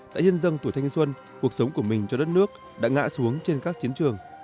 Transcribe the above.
tại nhân dân tuổi thanh xuân cuộc sống của mình cho đất nước đã ngã xuống trên các chiến trường